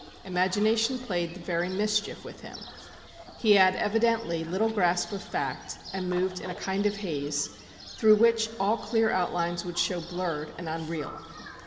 Imagination played the very mischief with him. He had evidently little grasp of fact, and moved in a kind of haze, through which all clear outlines would show blurred and unreal.